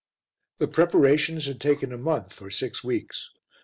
The preparations had taken a month or six weeks.